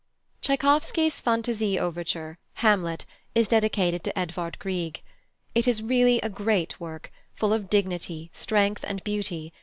+Tschaikowsky's+ Phantasie Overture, Hamlet, is dedicated to Edvard Grieg. It is really a great work, full of dignity, strength, and beauty.